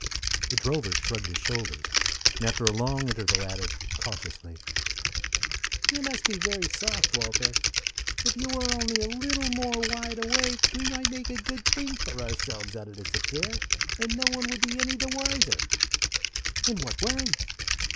The drover shrugged his shoulders, and after a long interval added, cautiously, "You must be very soft, Walter. If you were only a little more wide awake, we might make a good thing for ourselves out of this affair, and no one be any the wiser." "In what way?"